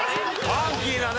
ファンキーだね。